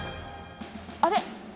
あれ？